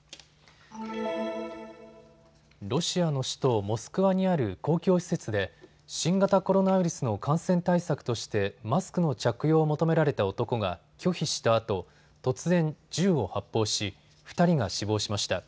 ロシアの首都モスクワにある公共施設で新型コロナウイルスの感染対策としてマスクの着用を求められた男が拒否したあと突然、銃を発砲し２人が死亡しました。